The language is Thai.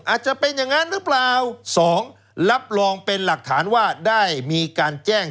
อาจจะเป็นอย่างนั้นหรือเปล่าสองรับรองเป็นหลักฐานว่าได้มีการแจ้ง